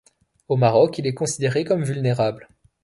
Au Maroc il est considéré comme vulnérable.